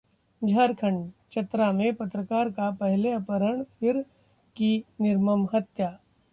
झारखंडः चतरा में पत्रकार का पहले अपहरण फिर कर दी निर्मम हत्या